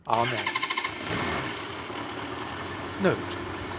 Amen. NOTE.